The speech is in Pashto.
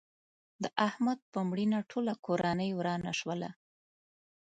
د احمد په مړینه ټوله کورنۍ ورانه شوله.